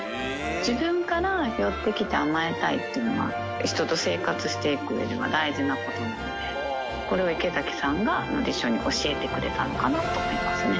自分から寄ってきて甘えたいっていうのは、人と生活していくうえでは大事なことなので、これは池崎さんがのりしおに教えてくれたのかなと思いますね。